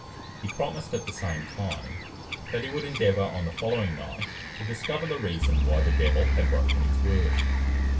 He promised at the same time that he would endeavour on the following night to discover the reason why the devil had broken his word.